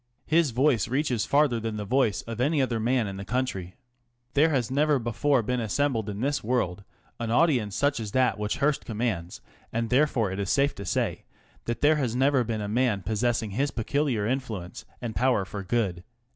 His voice reaches farther than the voice of any other man in the country. There has never before been assembled in this world an audience such as that which Hearst commands, and therefore it is safe to say that there has never been a man possessing his peculiar influence and power for good.